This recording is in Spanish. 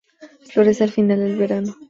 Florece al final del verano.